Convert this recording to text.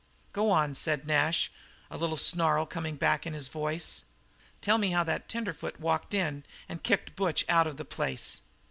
"Go on," said Nash, the little snarl coming back in his voice. "Tell me how the tenderfoot walked up and kicked Butch out of the place."